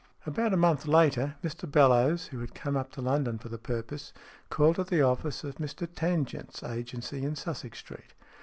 Ill ABOUT a month later Mr Bellowes, who had come up to London for the purpose, called at the office of Mr Tangent's agency in Sussex Street.